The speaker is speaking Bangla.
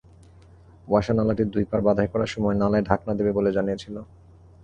ওয়াসা নালাটির দুই পাড় বাঁধাই করার সময় নালায় ঢাকনা দেবে বলে জানিয়েছিল।